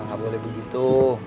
ya nggak boleh begitu